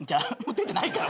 出てないから。